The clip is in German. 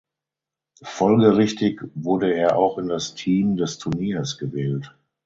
Folgerichtig wurde er auch in das "Team des Turniers" gewählt.